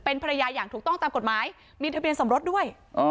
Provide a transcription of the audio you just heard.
เป็นภรรยาอย่างถูกต้องตามกฎหมายมีทะเบียนสมรสด้วย